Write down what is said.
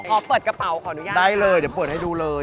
ขอเปิดกระเป๋าขออนุญาตได้เลยเดี๋ยวเปิดให้ดูเลย